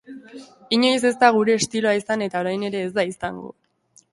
Inoiz ez da gure estiloa izan eta orain ere ez da izango.